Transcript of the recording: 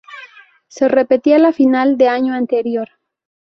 Se repetía la final de año anterior.